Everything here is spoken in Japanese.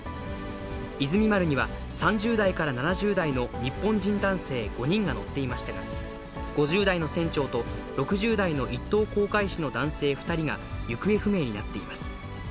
いずみ丸には、３０代から７０代の日本人男性５人が乗っていましたが、５０代の船長と６０代の１等航海士の男性２人が行方不明になっています。